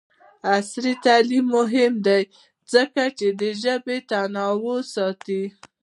عصري تعلیم مهم دی ځکه چې د ژبو تنوع ساتي.